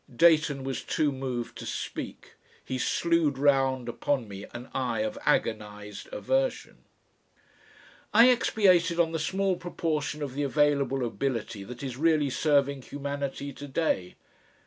Dayton was too moved to speak. He slewed round upon me an eye of agonised aversion. I expatiated on the small proportion of the available ability that is really serving humanity to day.